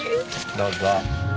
どうぞ。